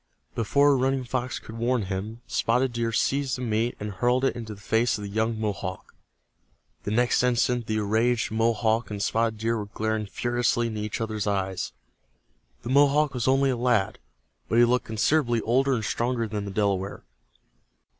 Before Running Fox could warn him, Spotted Deer seized the meat and hurled it into the face of the young Mohawk. The next instant the enraged Mohawk and Spotted Deer were glaring furiously into each other's eyes. The Mohawk was only a lad, but he looked considerably older and stronger than the Delaware.